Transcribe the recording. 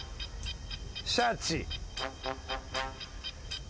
シャチ。